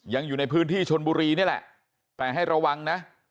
ยังอยู่ในพื้นที่ชนบุรีนี่แหละแต่ให้ระวังนะ